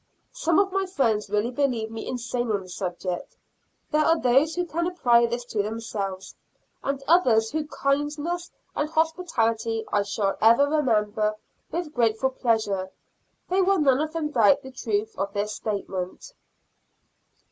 Some of my friends really believe me insane on the subject. There are those who can apply this to themselves, and others whose kindness and hospitality I shall ever remember with grateful pleasure. They will none of them doubt the truth of this statement.